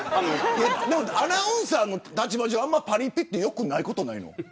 アナウンサーの立場上あんまりパリピってよくないことじゃないの。